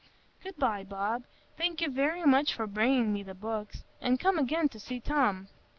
"Good by, Bob. Thank you very much for bringing me the books. And come again to see Tom."